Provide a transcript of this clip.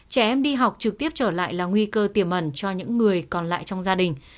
trẻ em đi học trực tiếp trở lại là nguy cơ tiềm ẩn cho những người còn lại trong gia đình